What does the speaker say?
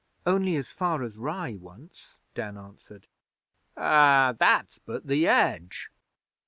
'Only as far as Rye, once,' Dan answered. 'Ah, that's but the edge.